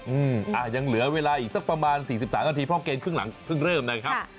อืมอ่ะยังเหลือเวลาอีกสักประมาณสี่สิบสามนาทีเพราะเกมครึ่งหลังเพิ่งเริ่มนะครับ